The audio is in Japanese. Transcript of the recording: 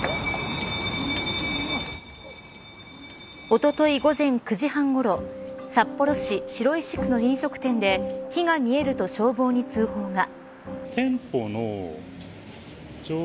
おととい午前９時半ごろ札幌市白石区の飲食店で火が見えると消防に通報が。